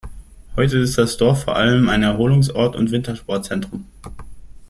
Heute ist das Dorf vor allem ein Erholungsort und Wintersportzentrum.